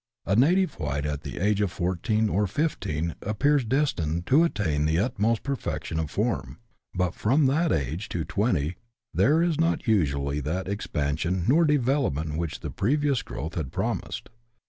A native white, at the age of fourteen or fifteen, appears destined to attain the utmost perfec tion of form ; but from that age to twenty there is not usually that expansion nor development which the previous growth had promised.